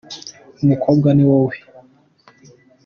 umukobwa niwowe